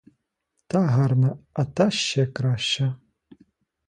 Та гарна, а та ще краща!